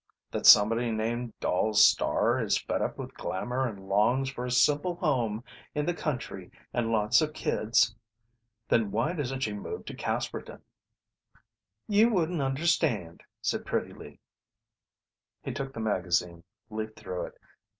That somebody named Doll Starr is fed up with glamor and longs for a simple home in the country and lots of kids? Then why doesn't she move to Casperton?" "You wouldn't understand," said Pretty Lee. He took the magazine, leafed through it.